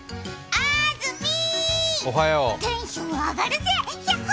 あーずみー、テンション上がるぜ、ひゃっほ！